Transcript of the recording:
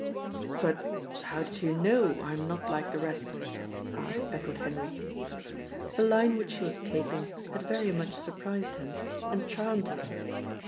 "But how did you know I'm not like the rest?" asked Edward Henry. The line which she was taking had very much surprised him, and charmed him.